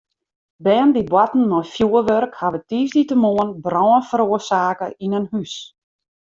Bern dy't boarten mei fjoerwurk hawwe tiisdeitemoarn brân feroarsake yn in hús.